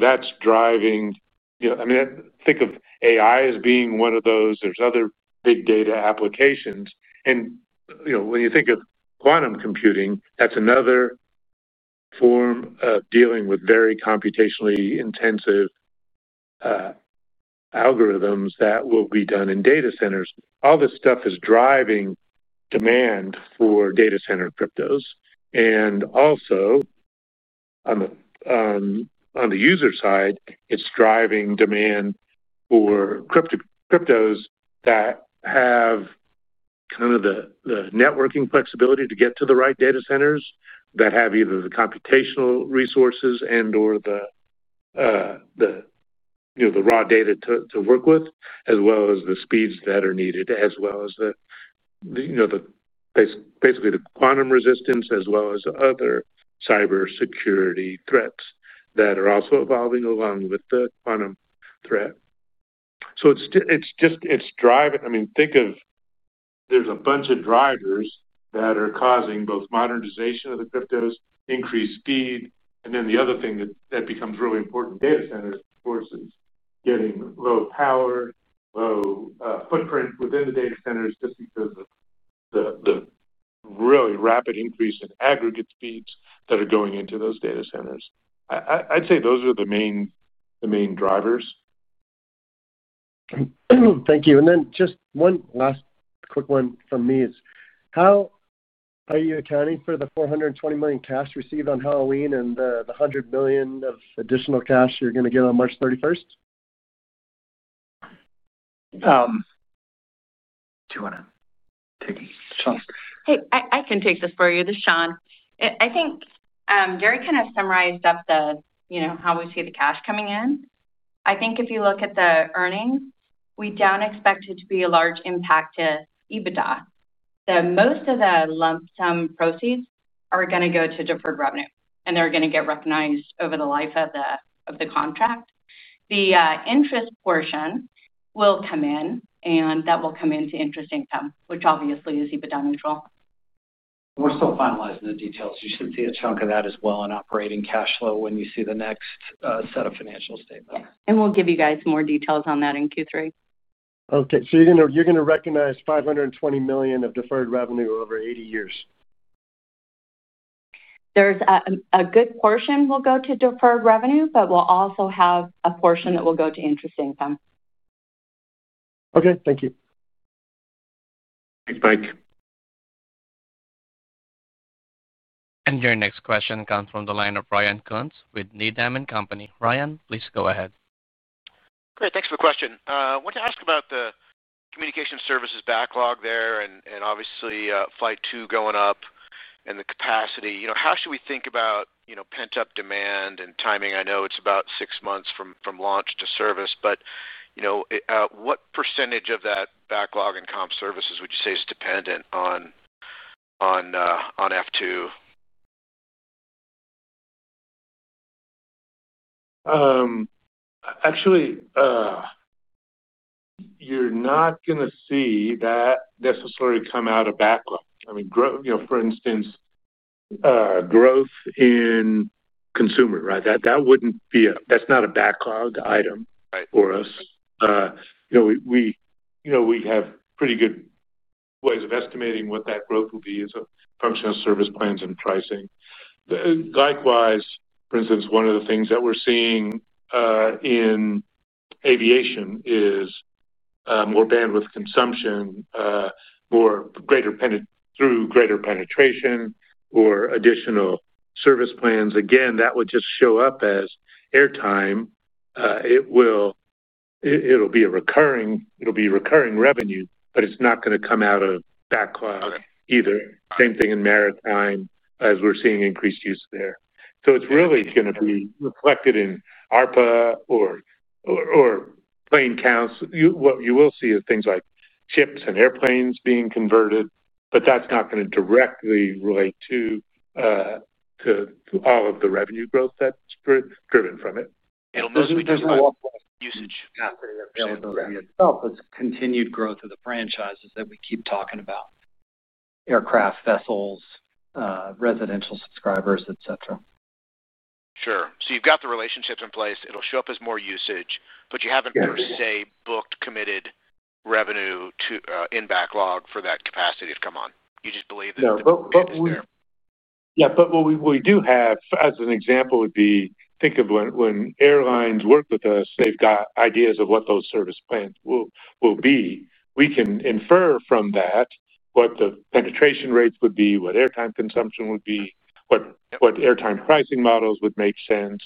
That is driving—I mean, think of AI as being one of those. There are other big data applications. When you think of quantum computing, that is another form of dealing with very computationally intensive algorithms that will be done in data centers. All this stuff is driving demand for data center cryptos. Also, on the user side, it is driving demand for cryptos that have kind of the networking flexibility to get to the right data centers that have either the computational resources and/or the raw data to work with, as well as the speeds that are needed, as well as basically the quantum resistance, as well as other cybersecurity threats that are also evolving along with the quantum threat. It is driving—I mean, think of there is a bunch of drivers that are causing both modernization of the cryptos, increased speed, and then the other thing that becomes really important—data centers, of course, is getting low power, low footprint within the data centers just because of the really rapid increase in aggregate speeds that are going into those data centers. I would say those are the main drivers. Thank you. Just one last quick one from me is, how are you accounting for the $420 million cash received on Halloween and the $100 million of additional cash you're going to get on March 31st? I'm taking Shawn. Hey, I can take this for you. This is Shawn. I think Gary kind of summarized up how we see the cash coming in. I think if you look at the earnings, we do not expect it to be a large impact to EBITDA. Most of the lump sum proceeds are going to go to deferred revenue, and they are going to get recognized over the life of the contract. The interest portion will come in, and that will come into interest income, which obviously is EBITDA neutral. We're still finalizing the details. You should see a chunk of that as well in operating cash flow when you see the next set of financial statements. Yeah. We'll give you guys more details on that in Q3. Okay. So you're going to recognize $520 million of deferred revenue over 80 years? There's a good portion will go to deferred revenue, but we'll also have a portion that will go to interest income. Okay. Thank you. Thanks, Mike. Your next question comes from the line of Ryan Koontz with Needham & Company. Ryan, please go ahead. Great. Thanks for the question. I wanted to ask about the Communication Services backlog there and obviously Flight 2 going up and the capacity. How should we think about pent-up demand and timing? I know it's about six months from launch to service, but what percentage of that backlog in com services would you say is dependent on F2? Actually, you're not going to see that necessarily come out of backlog. I mean, for instance, growth in consumer, right? That wouldn't be a—that's not a backlog item for us. We have pretty good ways of estimating what that growth will be as a function of service plans and pricing. Likewise, for instance, one of the things that we're seeing in aviation is more bandwidth consumption, greater penetration or additional service plans. Again, that would just show up as airtime. It'll be a recurring—it'll be recurring revenue, but it's not going to come out of backlog either. Same thing in maritime as we're seeing increased use there. So it's really going to be reflected in ARPA or plane counts. What you will see is things like ships and airplanes being converted, but that's not going to directly relate to all of the revenue growth that's driven from it. It'll mostly be just walkway usage. Yeah. It'll be itself, it's continued growth of the franchises that we keep talking about: aircraft, vessels, residential subscribers, etc. Sure. You've got the relationships in place. It'll show up as more usage, but you haven't per se booked committed revenue in backlog for that capacity to come on. You just believe that the business is there. Yeah. What we do have as an example would be, think of when airlines work with us. They have ideas of what those service plans will be. We can infer from that what the penetration rates would be, what airtime consumption would be, what airtime pricing models would make sense.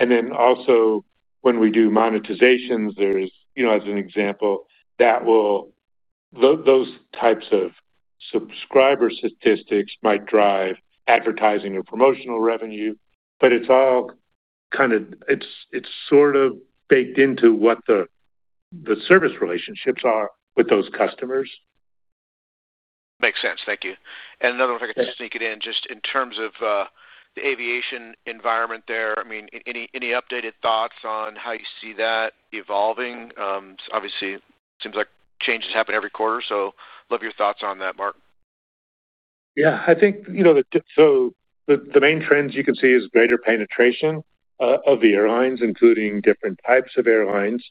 Also, when we do monetizations, there is, as an example, that will, those types of subscriber statistics might drive advertising or promotional revenue, but it is all kind of, it is sort of baked into what the service relationships are with those customers. Makes sense. Thank you. Another one if I could just sneak it in, just in terms of the aviation environment there. I mean, any updated thoughts on how you see that evolving? Obviously, it seems like changes happen every quarter, so I'd love your thoughts on that, Mark. Yeah. I think so the main trends you can see is greater penetration of the airlines, including different types of airlines,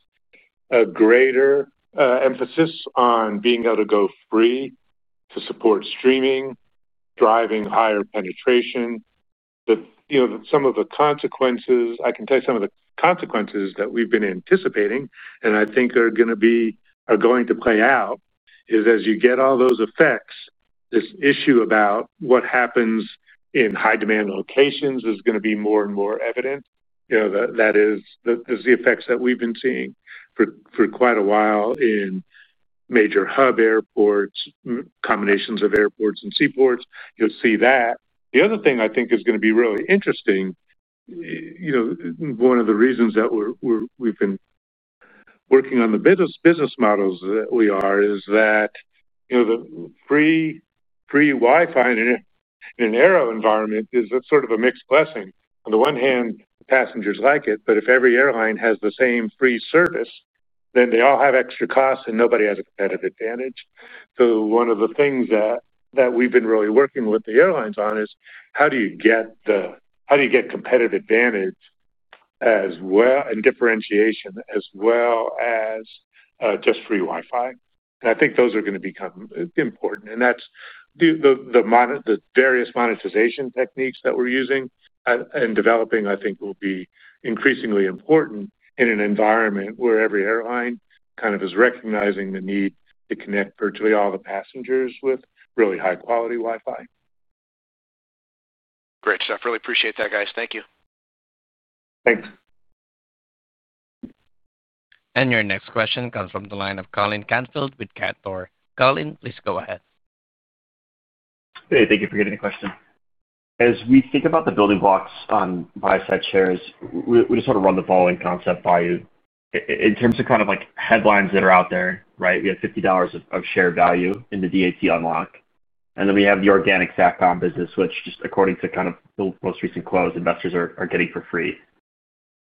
a greater emphasis on being able to go free to support streaming, driving higher penetration. Some of the consequences—I can tell you some of the consequences that we've been anticipating, and I think are going to be—are going to play out is as you get all those effects, this issue about what happens in high-demand locations is going to be more and more evident. That is the effects that we've been seeing for quite a while in major hub airports, combinations of airports and seaports. You'll see that. The other thing I think is going to be really interesting—one of the reasons that we've been working on the business models that we are—is that the free Wi-Fi in an aero environment is sort of a mixed blessing. On the one hand, passengers like it, but if every airline has the same free service, they all have extra costs and nobody has a competitive advantage. One of the things that we have been really working with the airlines on is how do you get competitive advantage and differentiation as well as just free Wi-Fi? I think those are going to become important. The various monetization techniques that we are using and developing, I think, will be increasingly important in an environment where every airline kind of is recognizing the need to connect virtually all the passengers with really high-quality Wi-Fi. Great stuff. Really appreciate that, guys. Thank you. Thanks. Your next question comes from the line of Colin Canfield with Cantor. Colin, please go ahead. Hey, thank you for getting the question. As we think about the building blocks on Inmarsat shares, we just sort of run the following concept by you. In terms of kind of headlines that are out there, right? We have $50 of share value in the DAT Unlock. And then we have the organic Satcom business, which just according to kind of the most recent close, investors are getting for free.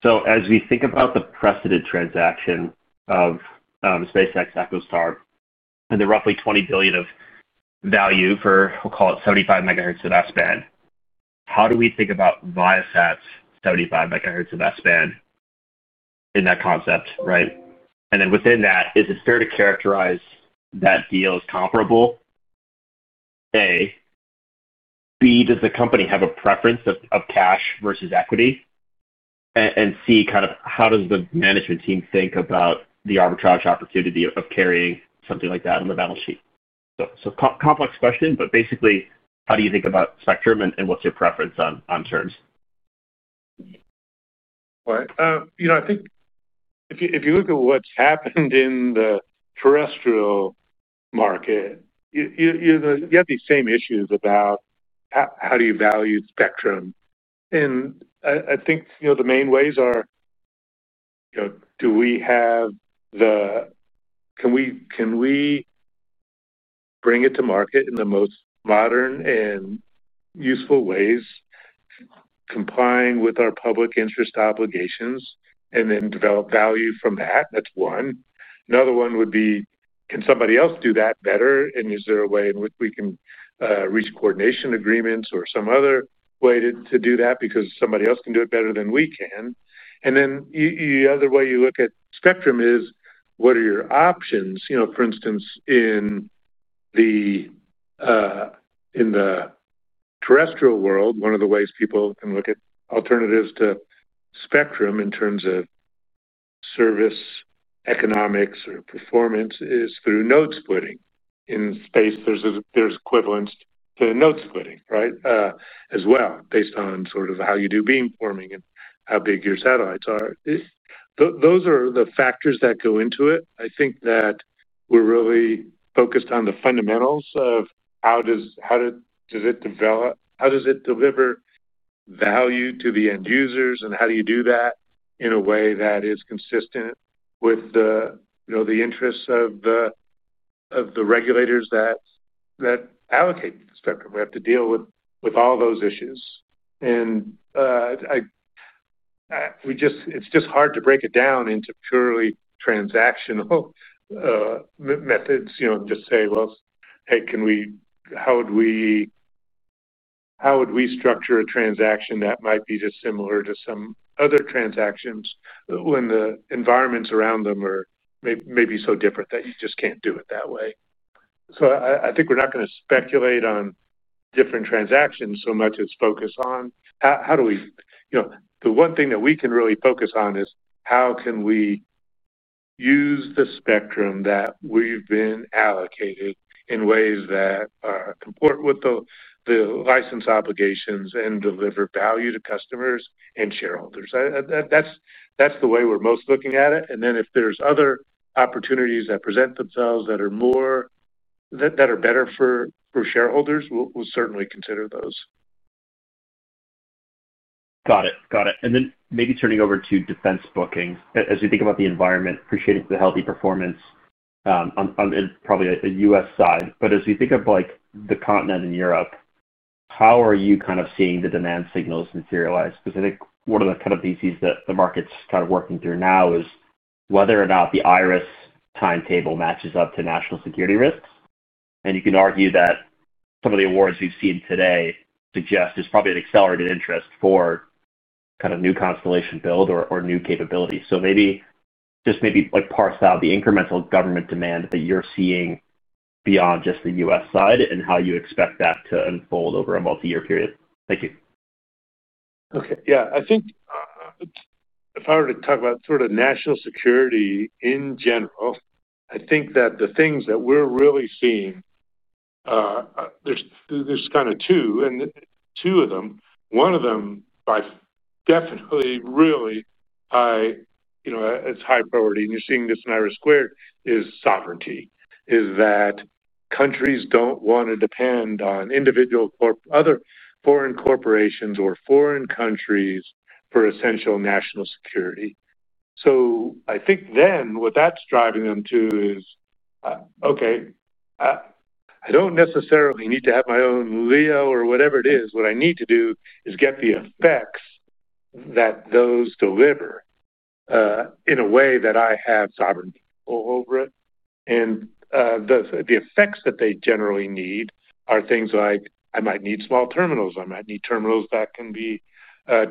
As we think about the precedent transaction of SpaceX, EchoStar, and the roughly $20 billion of value for, we'll call it 75 MHzof S-band, how do we think about Viasat's 75 mMHz of S-band in that concept, right? And then within that, is it fair to characterize that deal as comparable? A. B, does the company have a preference of cash versus equity? C, kind of how does the management team think about the arbitrage opportunity of carrying something like that on the balance sheet? Complex question, but basically, how do you think about spectrum and what's your preference on terms? All right. I think if you look at what's happened in the terrestrial market, you have these same issues about how do you value spectrum. I think the main ways are do we have the—can we bring it to market in the most modern and useful ways, complying with our public interest obligations, and then develop value from that? That's one. Another one would be, can somebody else do that better? Is there a way in which we can reach coordination agreements or some other way to do that because somebody else can do it better than we can? The other way you look at spectrum is, what are your options? For instance, in the terrestrial world, one of the ways people can look at alternatives to spectrum in terms of service economics or performance is through node splitting. In space, there's equivalents to node splitting, right, as well, based on sort of how you do beamforming and how big your satellites are. Those are the factors that go into it. I think that we're really focused on the fundamentals of how does it develop, how does it deliver value to the end users, and how do you do that in a way that is consistent with the interests of the regulators that allocate the spectrum? We have to deal with all those issues. It is just hard to break it down into purely transactional methods and just say, "Hey, how would we structure a transaction that might be dissimilar to some other transactions when the environments around them are maybe so different that you just cannot do it that way?" I think we are not going to speculate on different transactions so much as focus on how do we—the one thing that we can really focus on is how can we use the spectrum that we have been allocated in ways that are compliant with the license obligations and deliver value to customers and shareholders. That is the way we are most looking at it. If there are other opportunities that present themselves that are better for shareholders, we will certainly consider those. Got it. Got it. Maybe turning over to defense bookings. As you think about the environment, appreciating the healthy performance on probably a U.S. side, but as you think of the continent in Europe, how are you kind of seeing the demand signals materialize? I think one of the kind of theses that the market's kind of working through now is whether or not the IRIS timetable matches up to national security risks. You can argue that some of the awards we've seen today suggest there's probably an accelerated interest for kind of new constellation build or new capability. Maybe just parse out the incremental government demand that you're seeing beyond just the U.S. side and how you expect that to unfold over a multi-year period. Thank you. Okay. Yeah. I think if I were to talk about sort of national security in general, I think that the things that we're really seeing, there's kind of two, and two of them. One of them by definitely really high—it's high priority, and you're seeing this in IRIS2—is sovereignty, is that countries don't want to depend on individual foreign corporations or foreign countries for essential national security. I think then what that's driving them to is, "Okay, I don't necessarily need to have my own LEO or whatever it is. What I need to do is get the effects that those deliver in a way that I have sovereignty over it." And the effects that they generally need are things like, "I might need small terminals. I might need terminals that can be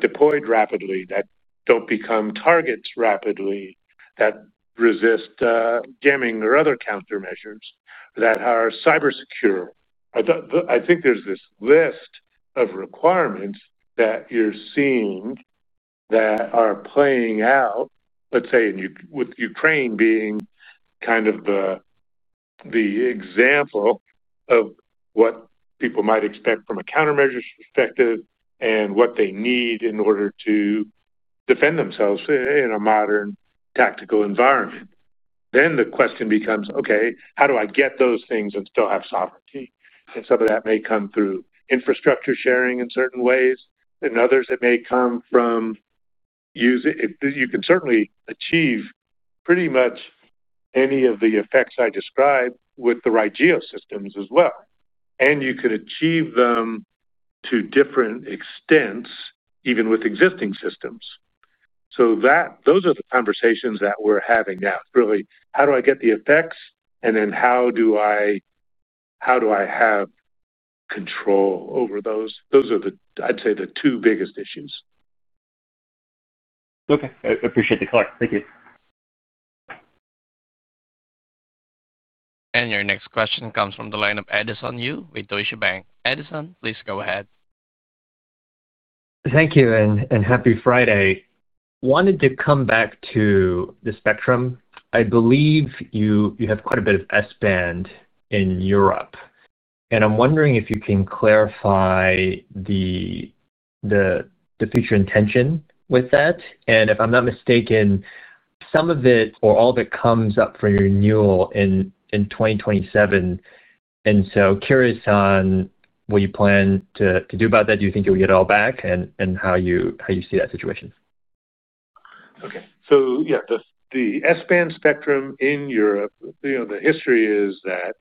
deployed rapidly, that do not become targets rapidly, that resist jamming or other countermeasures, that are cybersecure. I think there is this list of requirements that you are seeing that are playing out, let's say, with Ukraine being kind of the example of what people might expect from a countermeasures perspective and what they need in order to defend themselves in a modern tactical environment. The question becomes, "Okay, how do I get those things and still have sovereignty?" Some of that may come through infrastructure sharing in certain ways, and others that may come from—you can certainly achieve pretty much any of the effects I described with the right geosystems as well. You could achieve them to different extents, even with existing systems. Those are the conversations that we are having now. It is really, "How do I get the effects? How do I have control over those? Those are, I'd say, the two biggest issues. Okay. Appreciate the call. Thank you. Your next question comes from the line of Edison Yu with Deutsche Bank. Edison, please go ahead. Thank you. Happy Friday. I wanted to come back to the spectrum. I believe you have quite a bit of S-band in Europe. I am wondering if you can clarify the future intention with that. If I am not mistaken, some of it or all of it comes up for renewal in 2027. I am curious what you plan to do about that. Do you think you will get it all back and how you see that situation? Okay. So yeah, the S-band spectrum in Europe, the history is that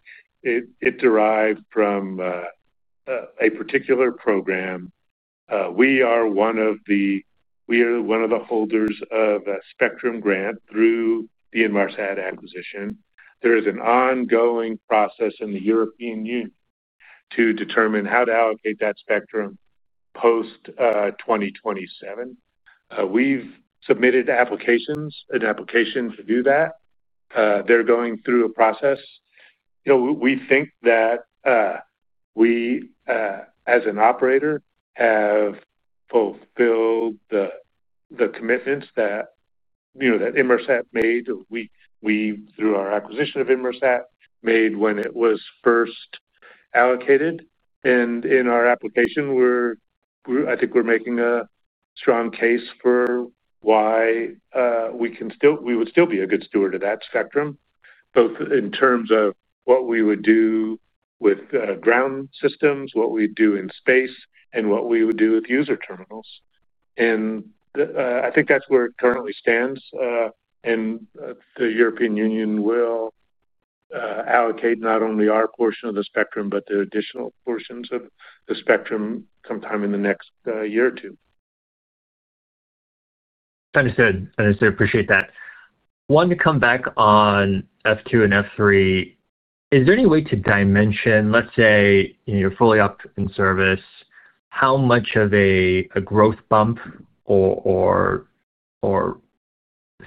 it derived from a particular program. We are one of the—we are one of the holders of a spectrum grant through the Inmarsat acquisition. There is an ongoing process in the European Union to determine how to allocate that spectrum post-2027. We've submitted applications, an application to do that. They're going through a process. We think that we, as an operator, have fulfilled the commitments that Inmarsat made. We, through our acquisition of Inmarsat, made when it was first allocated. In our application, I think we're making a strong case for why we would still be a good steward of that spectrum, both in terms of what we would do with ground systems, what we'd do in space, and what we would do with user terminals. I think that's where it currently stands. The European Union will allocate not only our portion of the spectrum, but the additional portions of the spectrum sometime in the next year or two. Understood. Understood. Appreciate that. Wanted to come back on F2 and F3. Is there any way to dimension, let's say you're fully operating service, how much of a growth bump or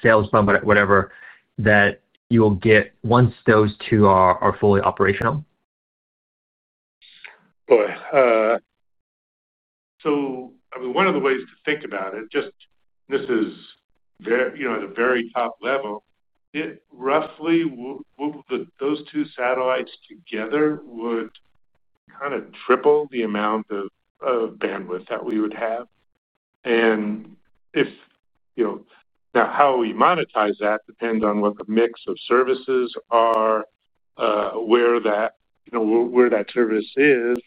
sales bump, whatever, that you'll get once those two are fully operational? Boy. I mean, one of the ways to think about it, just this is at the very top level, roughly those two satellites together would kind of triple the amount of bandwidth that we would have. Now how we monetize that depends on what the mix of services are, where that service is,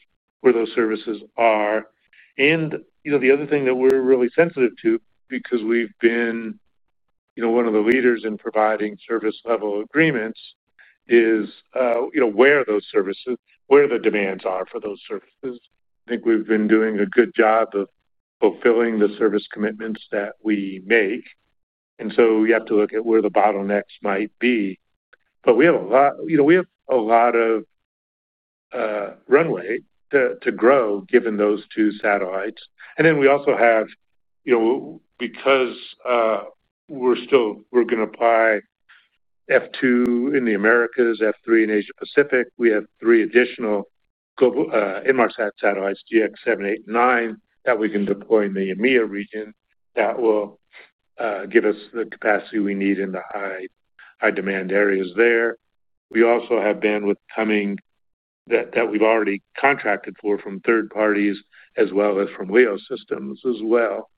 where those services are. The other thing that we're really sensitive to, because we've been one of the leaders in providing service-level agreements, is where the demands are for those services. I think we've been doing a good job of fulfilling the service commitments that we make. We have to look at where the bottlenecks might be. We have a lot of runway to grow given those two satellites. We also have, because we're going to apply F2 in the Americas, F3 in Asia-Pacific, we have three additional Inmarsat satellites, GX7, 8, and 9, that we can deploy in the EMEA region that will give us the capacity we need in the high-demand areas there. We also have bandwidth coming that we've already contracted for from third parties as well as from LEO systems as well.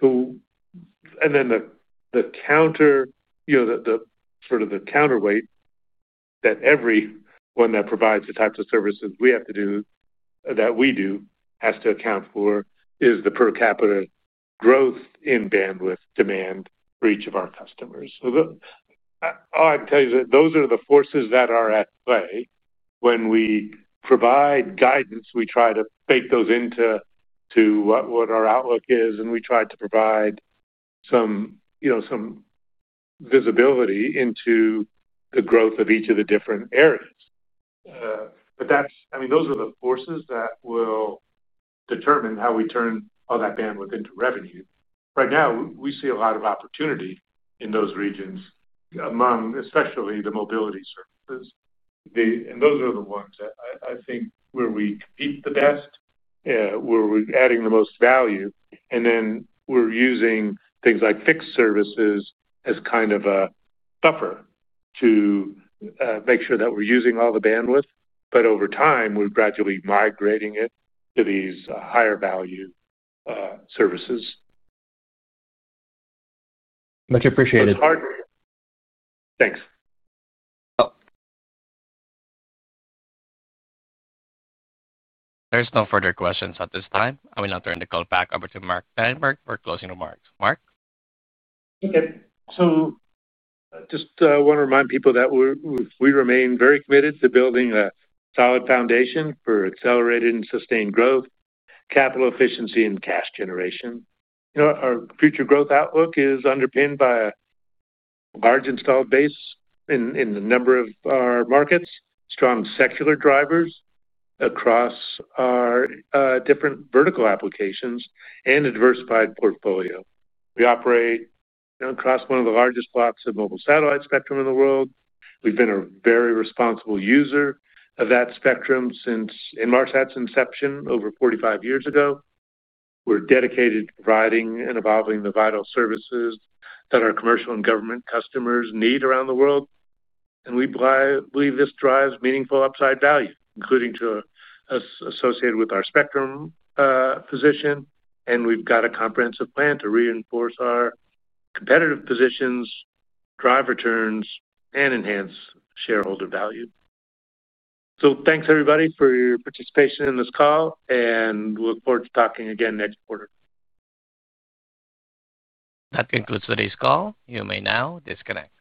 The counter, sort of the counterweight that everyone that provides the types of services we have to do that we do has to account for is the per capita growth in bandwidth demand for each of our customers. I can tell you that those are the forces that are at play when we provide guidance. We try to bake those into what our outlook is, and we try to provide some visibility into the growth of each of the different areas. I mean, those are the forces that will determine how we turn all that bandwidth into revenue. Right now, we see a lot of opportunity in those regions, among especially the mobility services. Those are the ones that I think where we compete the best, where we're adding the most value. We're using things like fixed services as kind of a buffer to make sure that we're using all the bandwidth. Over time, we're gradually migrating it to these higher-value services. Much appreciated. Thanks. There's no further questions at this time. I will now turn the call back over to Mark Dankberg for closing remarks. Mark? Okay. Just want to remind people that we remain very committed to building a solid foundation for accelerated and sustained growth, capital efficiency, and cash generation. Our future growth outlook is underpinned by a large installed base in a number of our markets, strong secular drivers across our different vertical applications, and a diversified portfolio. We operate across one of the largest blocks of mobile satellite spectrum in the world. We've been a very responsible user of that spectrum since Inmarsat's inception over 45 years ago. We're dedicated to providing and evolving the vital services that our commercial and government customers need around the world. We believe this drives meaningful upside value, including that associated with our spectrum position. We've got a comprehensive plan to reinforce our competitive positions, drive returns, and enhance shareholder value. Thanks, everybody, for your participation in this call, and we look forward to talking again next quarter. That concludes today's call. You may now disconnect.